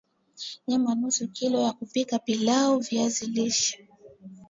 Nyama nusu kilo ya kupikia pilau la viazi lishe